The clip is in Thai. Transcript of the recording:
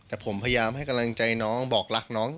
แต่ผมพยายามให้กำลังใจน้องบอกรักน้อง